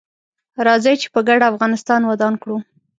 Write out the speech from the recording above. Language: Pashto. راځي چې په ګډه افغانستان ودان کړو